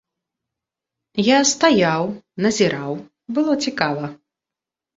Я стаяў, назіраў, было цікава.